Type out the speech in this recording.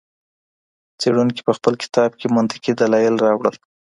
څېړونکي په خپل کتاب کې منطقي دلایل راوړل.